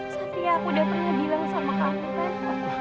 satria aku udah pernah bilang sama kamu kan